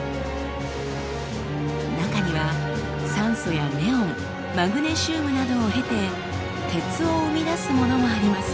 中には酸素やネオンマグネシウムなどを経て鉄を生み出すものもあります。